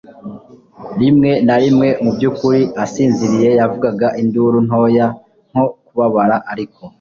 rimwe na rimwe, mubyukuri, asinziriye, yavugaga induru ntoya, nko kubabara, ariko